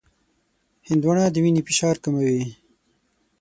هندوانه د وینې فشار کموي.